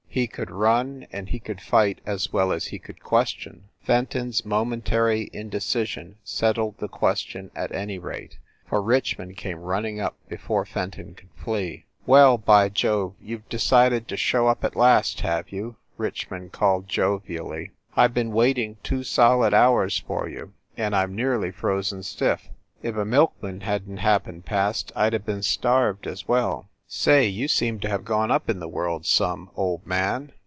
He could run and he could fight as well as he could question. Fen ton s momentary indecision settled the question, at any rate, for Richmond came running up before Fenton could flee. "Well, by Jove, you ve decided to show up at last, have you?" Richmond called jovially. "I ve been waiting two solid hours for you, and I m nearly frozen stiff. If a milkman hadn t happened past I d have been starved as well. Say, you seem to have gone up in the world some, old man